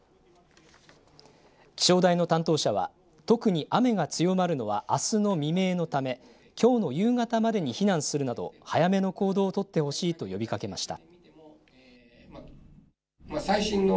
気象台の担当者は特に雨が強まるのはあすの未明のためきょうの夕方までに避難するなど早めの行動を取ってほしいと呼びかけました。